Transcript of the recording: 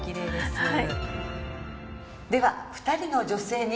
はい。